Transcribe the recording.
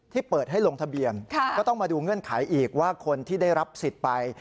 เปิดให้ลงทะเบียนก็ต้องมาดูเงื่อนไขอีกว่าคนที่ได้รับสิทธิ์ไป